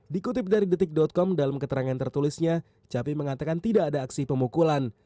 dikutip dari detik com dalam keterangan tertulisnya capim mengatakan tidak ada aksi pemukulan